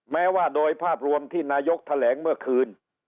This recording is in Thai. แม้ว่าโดยภาพรวมที่นายกแถลงเมื่อคืน